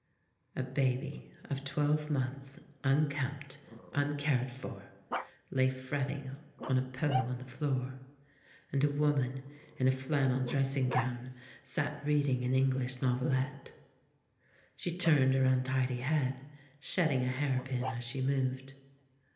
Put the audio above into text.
A baby of twelve months, unkempt, uncared for, lay fretting on a pillow on the floor; and a woman in a flannel dressing gown sat reading an English novelette. She turned her untidy head, shedding a hair pin as she moved.